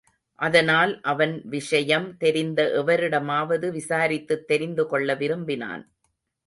அதனால் அவன் விஷயம் தெரிந்த எவரிடமாவது விசாரித்துத் தெரிந்துகொள்ள விரும்பினான்.